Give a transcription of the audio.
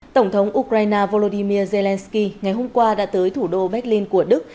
tổng thống ukraine volodymyr zelensky ngày hôm qua đã tới thủ đô berlin của đức